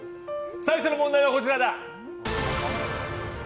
最初の問題はこちらだ！